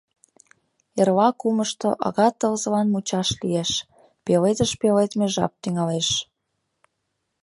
Эрла-кумышто ага тылзылан мучаш лиеш, пеледыш пеледме жап тӱҥалеш.